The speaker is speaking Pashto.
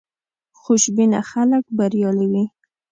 خوشبینه خلک بریالي وي.